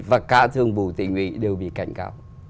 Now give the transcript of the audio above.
và cả thường bù tỉnh nguyễn đều bị cảnh gạo